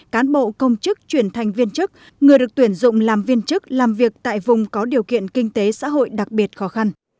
cán bộ công chức chuyển thành viên chức người được tuyển dụng làm viên chức làm việc tại vùng có điều kiện kinh tế xã hội đặc biệt khó khăn